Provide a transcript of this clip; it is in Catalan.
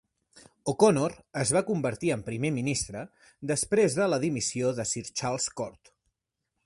O'Connor es va convertir en primer ministre després de la dimissió de Sir Charles Court.